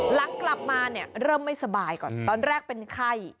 หลังกลับมาเนี่ยเริ่มไม่สบายก่อนตอนแรกเป็นไข้